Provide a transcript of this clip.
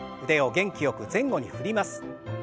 腕を元気よく前後に振ります。